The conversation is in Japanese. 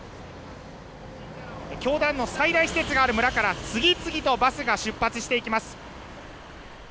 教団の最大施設がある村から次々とバスが出発していきます。